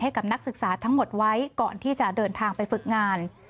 ให้กับนักศึกษาทั้งหมดไว้ก่อนที่จะเดินทางไปฝึกงาน